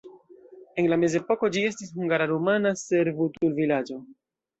En la mezepoko ĝi estis hungara-rumana servutulvilaĝo.